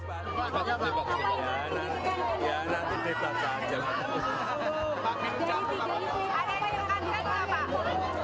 ada yang mengandalkan apa